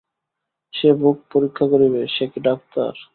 সে বুক পরীক্ষা করিবে, সে কি ডাক্তার?